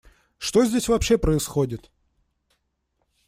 Что здесь вообще происходит?